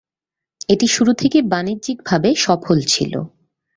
এটি শুরু থেকেই বাণিজ্যিকভাবে সফল ছিল।